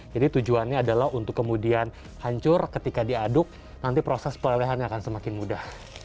jadi tujuannya adalah untuk kemudian hancur ketika diaduk nanti proses pelelehannya akan semakin mudah